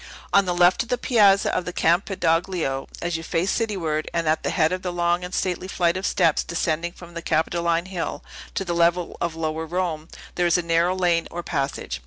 On the left of the Piazza of the Campidoglio, as you face cityward, and at the head of the long and stately flight of steps descending from the Capitoline Hill to the level of lower Rome, there is a narrow lane or passage.